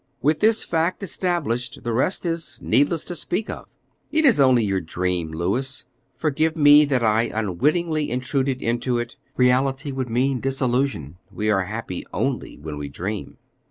With this fact established the rest is needless to speak of. It is only your dream, Louis; forgive me that I unwittingly intruded into it; reality would mean disillusion, we are happy only when we dream."